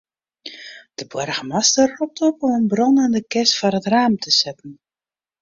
De boargemaster ropt op om in brânende kears foar it raam te setten.